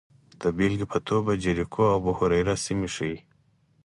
د بېلګې په توګه جریکو او ابوهریره سیمې ښيي